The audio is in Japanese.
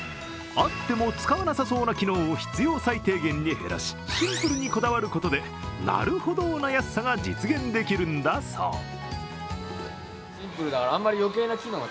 あっても使わなさそうな機能を必要最低限に減らし、シンプルにこだわることでなるほどな安さが実現できるんだそう。